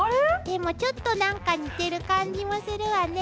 でもちょっとなんか似てる感じもするわね。